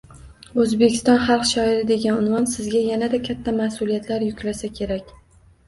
– O‘zbekiston Xalq shoiri degan unvon sizga yanada katta mas’uliyatlar yuklasa kerak?..